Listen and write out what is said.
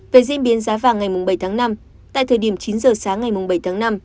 về diễn biến giá vàng ngày bảy tháng năm tại thời điểm chín giờ sáng ngày bảy tháng năm